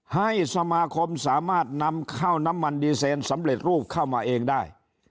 ให้สมาคมสามารถนำข้าวน้ำมันดีเซนสำเร็จรูปเข้ามาเองได้